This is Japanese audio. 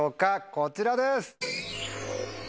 こちらです！